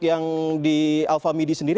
yang di alphamidi sendiri